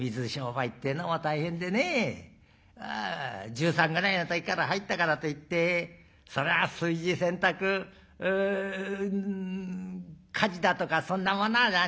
１３ぐらいの時から入ったからといってそりゃあ炊事洗濯家事だとかそんなものは何。